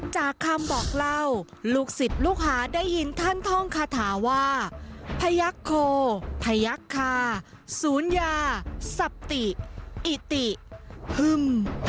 จากคำบอกเล่าลูกศิษย์ลูกหาได้ยินท่านท่องคาถาว่าพยักษโคพยักคาศูนย์ยาสติอิติฮึ่ม